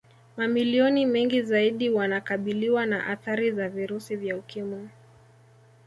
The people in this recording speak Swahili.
Mamilioni mengi zaidi wanakabiliwa na athari za virusi vya Ukimwi